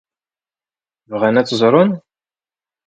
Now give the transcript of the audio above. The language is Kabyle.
Bɣan ad t-ẓren?